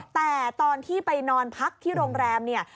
แต่ตอนที่ไปนอนพักที่โรงแรมเนี่ย